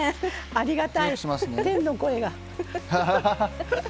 ありがたい、天の声が。